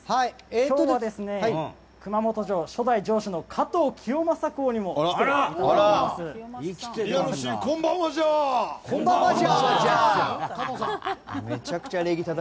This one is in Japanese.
今日は熊本城初代城主の加藤清正公に来ていただきました。